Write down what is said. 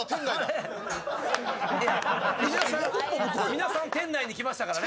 皆さん、店内に来ましたからね。